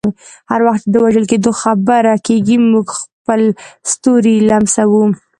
هر وخت چې د وژل کیدو خبره کیږي، موږ خپل ستوري لمسوو.